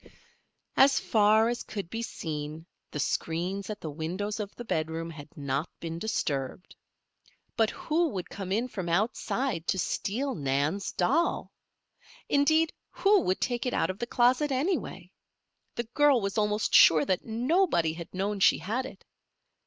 As far as could be seen the screens at the windows of the bedroom had not been disturbed. But who would come in from outside to steal Nan's doll? Indeed, who would take it out of the closet, anyway? The girl was almost sure that nobody had known she had it.